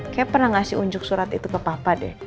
kayak pernah ngasih unjuk surat itu ke papa deh